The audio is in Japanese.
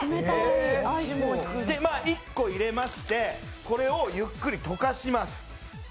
で、１個入れまして、これをゆっくり溶かします。